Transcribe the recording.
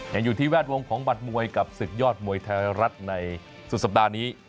ยังอยู่ที่แวดวงของบัตรมวยกับศึกยอดมวยไทยรัฐในสุดสัปดาห์นี้